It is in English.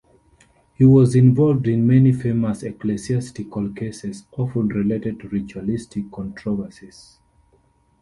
He was involved in many famous ecclesiastical cases, often related to ritualistic controversies.